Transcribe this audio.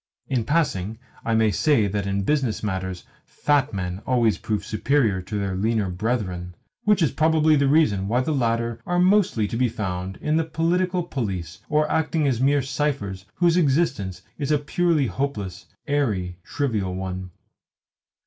In passing, I may say that in business matters fat men always prove superior to their leaner brethren; which is probably the reason why the latter are mostly to be found in the Political Police, or acting as mere ciphers whose existence is a purely hopeless, airy, trivial one.